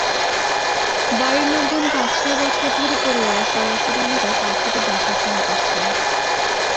বাড়ির লোকজন পাঁচ-ছয় বছর ধরে পরিবারের সদস্যদের মতো পাখিদের দেখাশোনা করছেন।